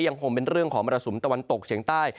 ยังคงเป็นเรื่องของมรสุมตะวันตกเฉียงใต้